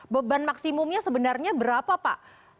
beban maksimumnya sebenarnya berapa pak